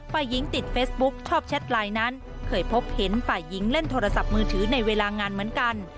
ฝ่ายหญิงติดเฟซบุ๊กชอบแชทไลน์นั้นเคยพบเห็นฝ่ายหญิงเล่นโทรศัพท์มือถือในเวลางานเหมือนกัน